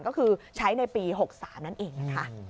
ก็คือใช้ในปี๖๓นั่นเองนะคะ